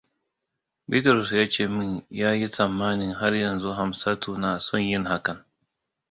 Bitrus ya ce min ya yi tsammanin har yanzu Hamsatu na son yin hakan.